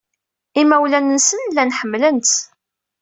Imawlan-nsen llan ḥemmlen-tt.